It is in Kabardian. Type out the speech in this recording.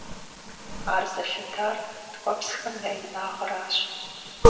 Ар зэлъытар ткӀуэпсхэм я инагъыращ.